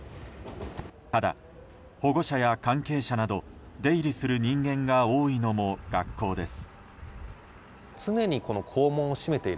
ただ、保護者や関係者など出入りする人間が多いのも学校です。